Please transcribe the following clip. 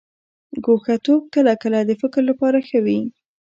ګوښه توب کله کله د فکر لپاره ښه وي.